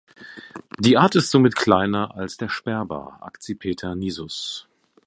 Die Art ist somit kleiner als der Sperber ("Accipiter nisus").